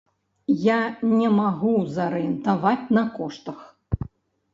Я не магу зарыентаваць на коштах.